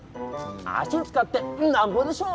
足を使ってなんぼでしょ。